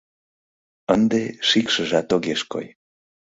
Ынде шикшыжат огеш кой.